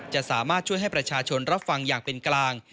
จะสามารถช่วยให้ประชาชนรับฟังอย่างเป็นกลาง